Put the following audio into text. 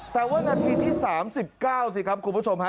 แต่ว่านาทีที่๓๙สิครับคุณผู้ชมฮะ